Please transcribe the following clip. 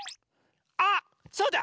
あそうだ！